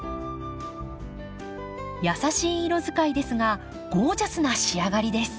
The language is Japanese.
優しい色使いですがゴージャスな仕上がりです。